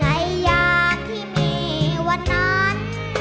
ในอย่างที่มีวันนั้น